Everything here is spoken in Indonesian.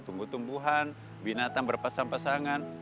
tumbuh tumbuhan binatang berpasang pasangan